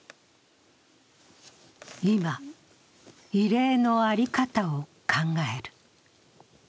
今、慰霊の在り方を考える。